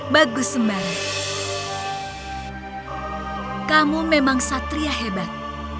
bagus sembari kamu memang satria hebat